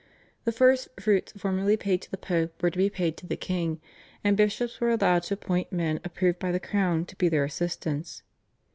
The First Fruits, formerly paid to the Pope, were to be paid to the king, and bishops were allowed to appoint men approved by the crown to be their assistants.